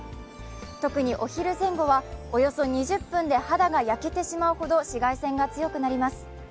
特にお昼前後はおよそ２０分で肌が焼けてしまうほど紫外線が強くなります。